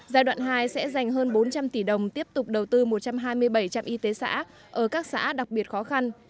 giai đoạn hai sẽ dành hơn bốn trăm linh tỷ đồng tiếp tục đầu tư một trăm hai mươi bảy trạm y tế xã ở các xã đặc biệt khó khăn